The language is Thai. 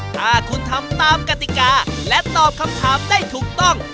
ถ้าคุณทำตามกติกาและตอบคำถามได้ถูกต้อง